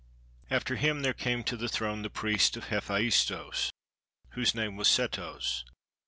After him there came to the throne the priest of Hephaistos, whose name was Sethos.